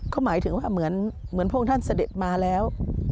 ก็หมายถึงว่าเหมือนพระองค์ท่านเสด็จมาแล้ว